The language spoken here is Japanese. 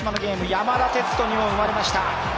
山田哲人にも生まれました。